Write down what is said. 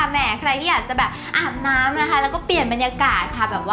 เม่ใครที่อยากจะอาบน้ำแล้วก็เปลี่ยนบรรยากาศ